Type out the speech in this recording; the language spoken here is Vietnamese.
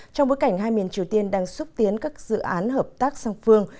trong bối cảnh hai miền triều tiên đang xúc tiến các dự án hợp tác song phương